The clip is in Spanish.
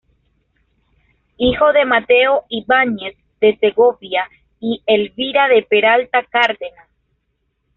Hijo de Mateo Ibáñez de Segovia y Elvira de Peralta Cárdenas.